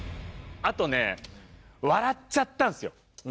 あとね笑っちゃったんですよ